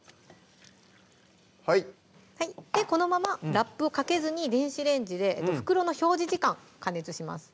はいでこのままラップをかけずに電子レンジで袋の表示時間加熱します